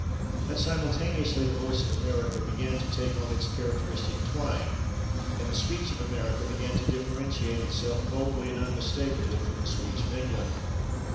And simultaneously the voice of America began to take on its characteristic twang, and the speech of America began to differentiate itself boldly and unmistakably from the speech of England.